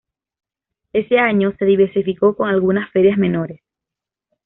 Ese año, se diversificó con algunas ferias menores.